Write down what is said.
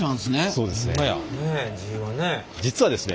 そうですね。